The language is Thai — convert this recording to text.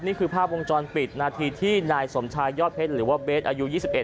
นี่คือภาพวงจรปิดนาทีที่นายสมชายยอดเพชรหรือว่าเบสอายุ๒๑